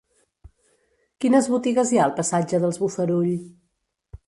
Quines botigues hi ha al passatge dels Bofarull?